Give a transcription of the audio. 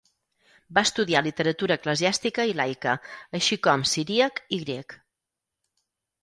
Va estudiar literatura eclesiàstica i laica, així com siríac i grec.